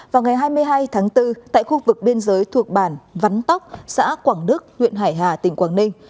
vào ngày hai mươi hai tháng bốn tại khu vực biên giới thuộc bản vắn tóc xã quảng đức huyện hải hà tỉnh quảng ninh